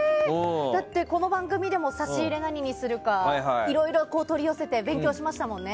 だって、この番組でも差し入れ何にするかいろいろ取り寄せて勉強しましたもんね。